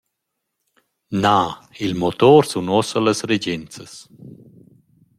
Na, il motor sun uossa las regenzas.